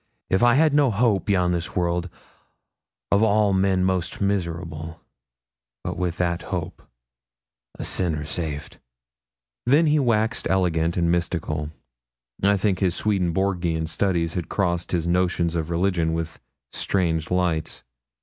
If I had no hope beyond this world, of all men most miserable; but with that hope, a sinner saved.' Then he waxed eloquent and mystical. I think his Swedenborgian studies had crossed his notions of religion with strange lights.